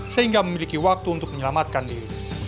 sehingga memiliki waktu untuk menyelamatkan diri